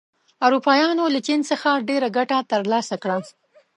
اروپایان له چین څخه ډېره ګټه تر لاسه کړه.